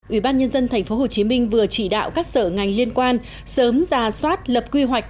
ủy ban nhân dân tp hcm vừa chỉ đạo các sở ngành liên quan sớm ra soát lập quy hoạch